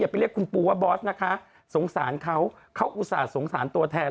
ไปเรียกคุณปูว่าบอสนะคะสงสารเขาเขาอุตส่าหสงสารตัวแทน